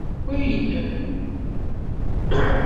Wa nnem?